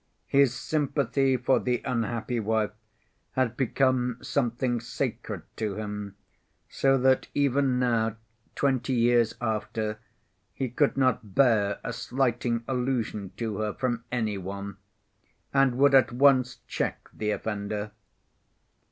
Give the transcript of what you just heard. His sympathy for the unhappy wife had become something sacred to him, so that even now, twenty years after, he could not bear a slighting allusion to her from any one, and would at once check the offender.